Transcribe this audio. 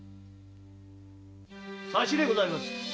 差しでございます。